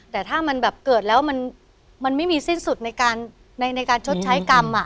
แต่ถ้ามันแบบเกิดแล้วมันมันไม่มีสิ้นสุดในการในในการชดใช้กรรมอ่ะ